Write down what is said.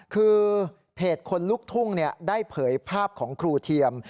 คือเพจคนลุกทุ่งได้เผยภาพของครูเทียม